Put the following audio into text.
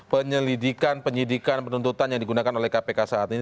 penyelidikan penyidikan penuntutan yang digunakan oleh kpk saat ini